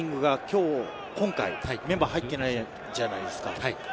今回メンバーに入っていないじゃないですか。